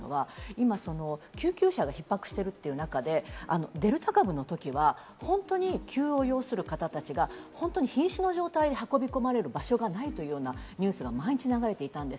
救急車が今ひっ迫している中でデルタ株の時は本当に急を要する方たちが瀕死の状態で運び込まれる場所がないというようなニュースが毎日流れていました。